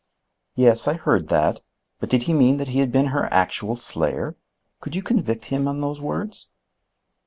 "Yes, I heard that. But did he mean that he had been her actual slayer? Could you convict him on those words?"